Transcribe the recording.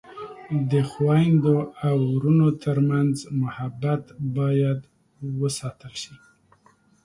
د خویندو او ورونو ترمنځ محبت باید وساتل شي.